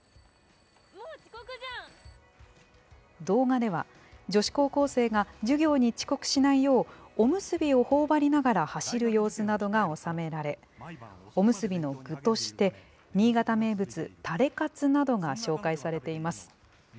動画では、女子高校生が授業に遅刻しないよう、おむすびをほおばりながら走る様子などが収められ、おむすびの具として、新潟名物、タレかつなどが紹介されています。